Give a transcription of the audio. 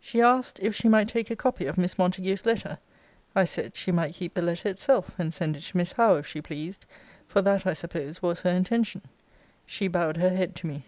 She asked, if she might take a copy of Miss Montague's letter? I said, she might keep the letter itself, and send it to Miss Howe, if she pleased; for that, I suppose, was her intention. She bowed her head to me.